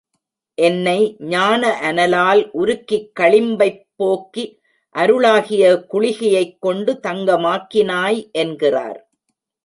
என்னை ஞான அனலால் உருக்கிக் களிம்பைப் போக்கி அருளாகிய குளிகையைக் கொண்டு தங்க மாக்கினாய் என்கிறார்.